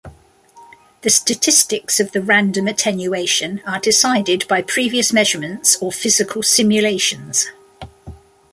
The statistics of the random attenuation are decided by previous measurements or physical simulations.